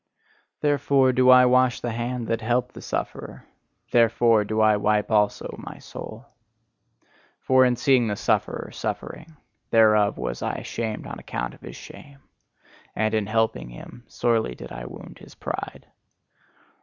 Therefore do I wash the hand that hath helped the sufferer; therefore do I wipe also my soul. For in seeing the sufferer suffering thereof was I ashamed on account of his shame; and in helping him, sorely did I wound his pride.